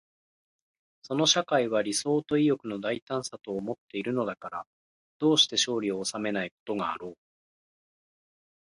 その社会は理想と意欲の大胆さとをもっているのだから、どうして勝利を収めないことがあろう。